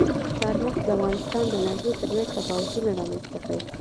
چار مغز د افغانستان د ناحیو ترمنځ تفاوتونه رامنځ ته کوي.